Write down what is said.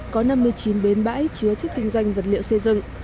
có năm mươi chín bến bãi chứa chất kinh doanh vật liệu xây dựng